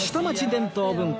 伝統文化